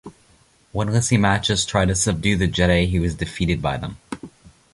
When Lysimachus tried to subdue the Getae he was defeated by them.